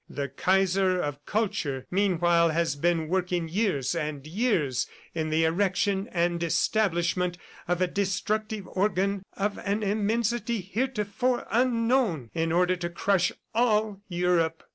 The Kaiser of culture, meanwhile, has been working years and years in the erection and establishment of a destructive organ of an immensity heretofore unknown, in order to crush all Europe.